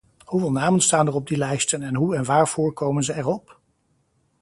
Hoeveel namen staan er op die lijsten en hoe en waarvoor komen ze erop?